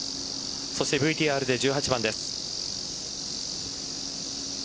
そしてＶＴＲで１８番です。